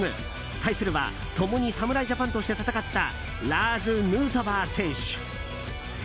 対するは共に侍ジャパンとして戦ったラーズ・ヌートバー選手。